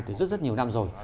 từ rất rất nhiều năm rồi